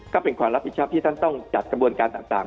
ก็เป็นความรับผิดชอบที่ท่านต้องจัดกระบวนการต่าง